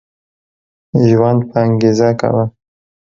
ژوند په انګيزه کوه